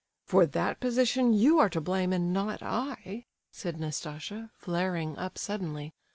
"For that position you are to blame and not I," said Nastasia, flaring up suddenly.